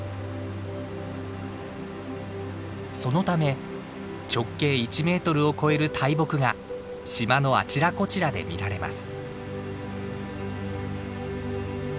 そのため直径１メートルを超える大木が島のあちらこちらで見られます。